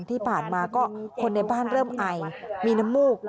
ที่ผ่านมาก็คนในบ้านเริ่มไอมีน้ำมูก